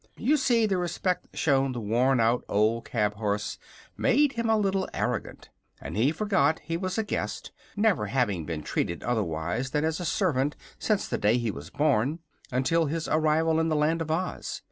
You see, the respect shown the worn out old cab horse made him a little arrogant, and he forgot he was a guest, never having been treated otherwise than as a servant since the day he was born, until his arrival in the Land of Oz.